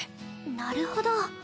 なるほど。